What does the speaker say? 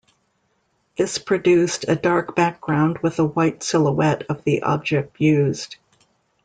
This produced a dark background with a white silhouette of the object used.